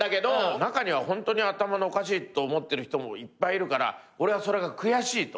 なかにはホントに頭おかしいと思ってる人もいっぱいいるから俺はそれが悔しいと。